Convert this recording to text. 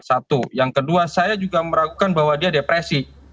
satu yang kedua saya juga meragukan bahwa dia depresi